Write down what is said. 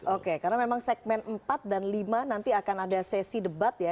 oke karena memang segmen empat dan lima nanti akan ada sesi debat ya